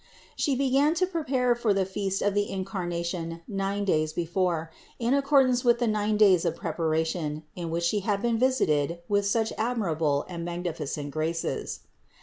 She began to prepare for the feast of the Incarnation nine days before, in accordance with the nine days of preparation, in which She had been visited with such admirable and magnificent graces.